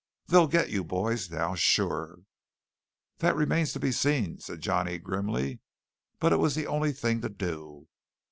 They'll get you boys now sure!" "That remains to be seen," said Johnny grimly. "But it was the only thing to do.